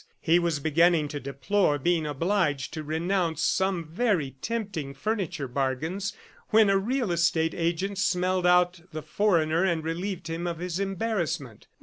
He was beginning to deplore being obliged to renounce some very tempting furniture bargains when a real estate agent smelled out the foreigner and relieved him of his embarrassment.